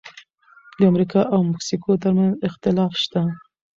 د امریکا او مکسیکو ترمنځ اختلاف شته.